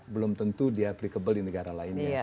belum tentu dia applicable di negara lainnya